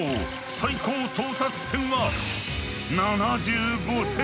最高到達点は７５センチ！